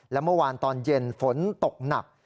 และเมื่อวานตอนเย็นฝนตกหนัก